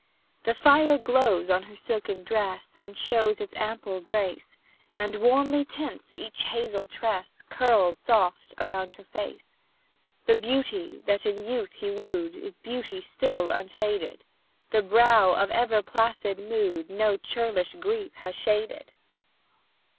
The fire glows on her silken dress, And shows its ample grace, And warmly tints each hazel tress, Curled soft around her face. The beauty that in youth he wooed, Is beauty still, unfaded; The brow of ever placid mood No churlish grief has shaded.